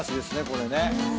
これね。